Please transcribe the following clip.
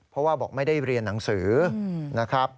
เพราะว่าบอกไม่ได้เรียนหนังสือนะครับ